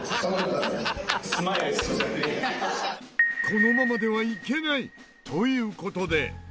このままではいけない！という事で。